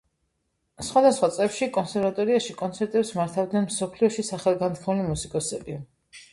სხვადასხვა წლებში კონსერვატორიაში კონცერტებს მართავდნენ მსოფლიოში სახელგანთქმული მუსიკოსები.